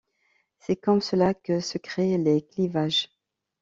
C'est comme cela que se créent les clivages.